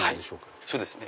そうですね。